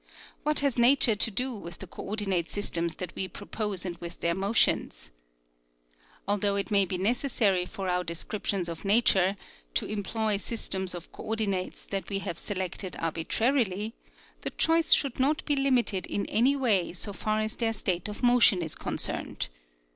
What has nature to do with the coordinate systems that we propose and with their motions ? Al though it may be necessary for our descrip tions of nature to employ systems of coordi nates that we have selected arbitrarily, the choice should not be limited in any way so far as their state of motion is concerned.